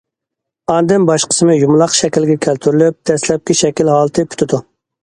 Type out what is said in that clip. ئاندىن باش قىسمى يۇمىلاق شەكىلگە كەلتۈرۈلۈپ دەسلەپكى شەكىل ھالىتى پۈتىدۇ.